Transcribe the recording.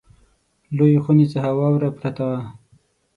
لویې خونې څخه واوره پرته وه.